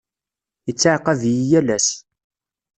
Yettɛaqab-iyi yal ass.